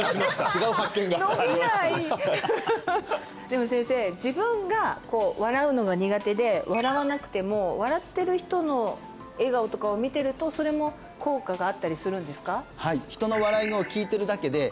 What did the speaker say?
違う発見がでも先生自分が笑うのが苦手で笑わなくても笑ってる人の笑顔とかを見てるとそれも効果があったりするんですか？